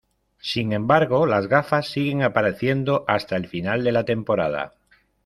Sin embargo, las gafas siguen apareciendo hasta el final de la temporada.